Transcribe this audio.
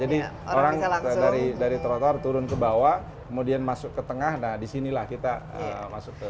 jadi orang dari trotoar turun ke bawah kemudian masuk ke tengah nah disinilah kita masuk ke